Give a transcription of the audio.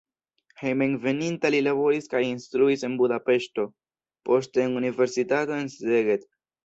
Hejmenveninta li laboris kaj instruis en Budapeŝto, poste en universitato en Szeged.